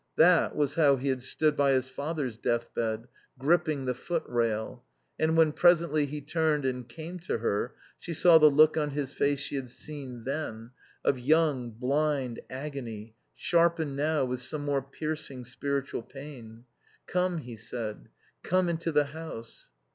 That was how he had stood by his father's deathbed, gripping the foot rail; and when presently he turned and came to her she saw the look on his face she had seen then, of young, blind agony, sharpened now with some more piercing spiritual pain. "Come," he said, "come into the house."